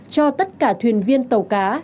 cho tất cả thuyền viên tàu cá